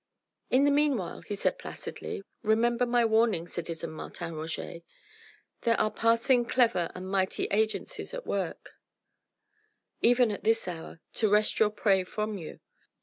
"In the meanwhile," he said placidly, "remember my warning, citizen Martin Roget. There are passing clever and mighty agencies at work, even at this hour, to wrest your prey from you.